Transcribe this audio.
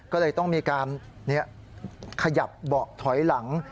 ก็เลยต้องมีการขยับเบาะถอยหลัง